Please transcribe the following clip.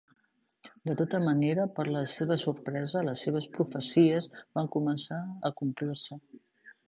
De tota manera per la seva sorpresa, les seves profecies van començar a complir-se.